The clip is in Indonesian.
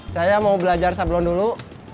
saya mau belajar sablon dulu